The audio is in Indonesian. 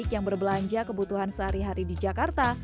yang berbelanja kebutuhan sehari hari di jakarta